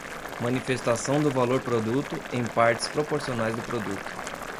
Manifestação do valor-produto em partes proporcionais do produto